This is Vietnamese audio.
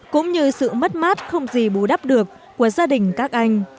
cũng như sự mất mát không gì bù đắp được của gia đình các anh